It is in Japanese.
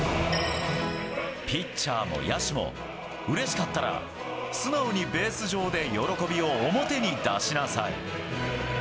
「ピッチャーも野手もうれしかったら素直にベース上で喜びを表に出しなさい。